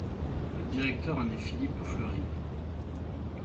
Le directeur en est Philippe Fleury.